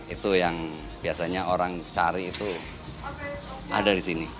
itu yang biasanya orang cari itu ada di sini